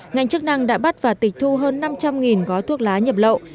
ngành chức năng đã bắt và tịch thu hơn năm trăm linh gói thuốc lá nhập lậu